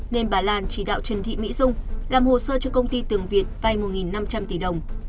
nên bà lan chỉ đạo trần thị mỹ dung làm hồ sơ cho công ty tường việt vay một năm trăm linh tỷ đồng